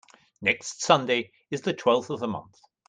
Next Sunday is the twelfth of the month.